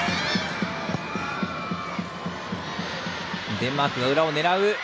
デンマークが裏を狙う。